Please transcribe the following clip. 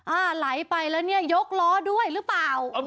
อ่าหลายไปแล้วยกล้อด้วยหรือเปล่า